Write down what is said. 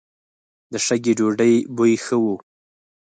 د شګې ډوډۍ بوی ښه و.